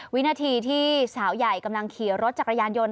วินาทีที่สาวใหญ่กำลังขี่รถจักรยานยนต์